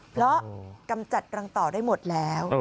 เพราะกำจัดรังต่อได้หมดแล้ว